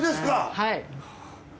はい。